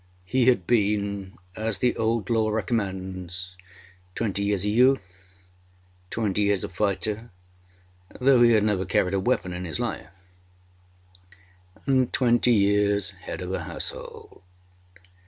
He had been, as the Old Law recommends, twenty years a youth, twenty years a fighter, though he had never carried a weapon in his life, and twenty years head of a household.